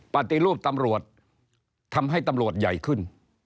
ปฏิรูปตำรวจทำให้ตำรวจใหญ่ขึ้น